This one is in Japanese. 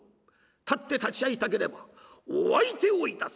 たって立ち合いたければお相手をいたす」。